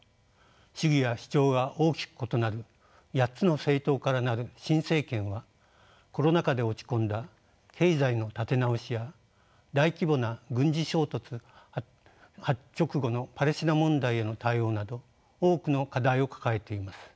主義や主張が大きく異なる８つの政党から成る新政権はコロナ禍で落ち込んだ経済の立て直しや大規模な軍事衝突直後のパレスチナ問題への対応など多くの課題を抱えています。